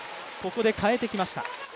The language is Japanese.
ここで変えてきました。